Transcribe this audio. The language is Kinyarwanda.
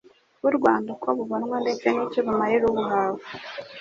bw'u Rwanda, uko bubonwa, ndetse n'icyo bumarira ubuhawe.